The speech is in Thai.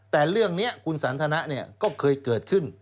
แต่เรื่องนี้คุณสันทนะก็เคยเกิดขึ้น